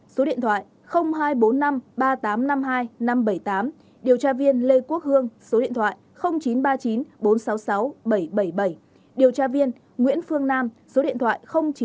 số điện thoại hai trăm bốn mươi năm ba nghìn tám trăm năm mươi hai năm trăm bảy mươi tám điều tra viên lê quốc hương số điện thoại chín trăm ba mươi chín bốn trăm sáu mươi sáu bảy trăm bảy mươi bảy điều tra viên nguyễn phương nam số điện thoại chín trăm ba mươi tám tám mươi tám bảy trăm một mươi một